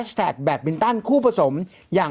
พี่ปั๊ดเดี๋ยวมาที่ร้องให้